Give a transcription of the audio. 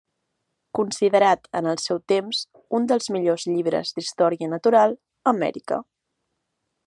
Considerat en el seu temps un dels millors llibres d'història natural a Amèrica.